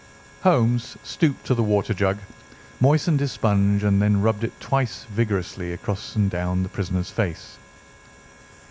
Holmes stooped to the water jug, moistened his sponge, and then rubbed it twice vigorously across and down the prisoner's face.